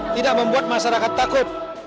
tidak membuat masyarakat takut